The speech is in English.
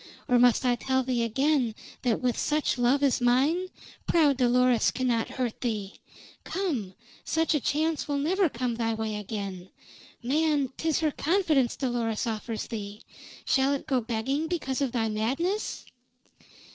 Or must I tell thee again that with such love as mine proud Dolores cannot hurt thee. Come! Such a chance will never come thy way again. Man! 'Tis her confidence Dolores offers thee. Shall it go begging because of thy madness?"